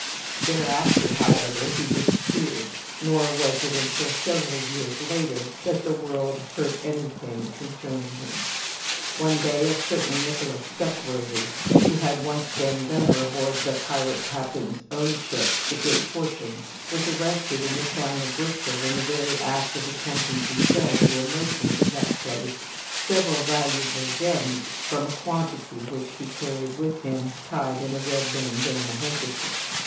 Thereafter, however, he disappeared; nor was it until several years later that the world heard anything concerning him. One day a certain Nicholas Duckworthy, who had once been gunner aboard the pirate captain's own ship, The Good Fortune, was arrested in the town of Bristol in the very act of attempting to sell to a merchant of that place several valuable gems from a quantity which he carried with him tied up in a red bandanna handkerchief.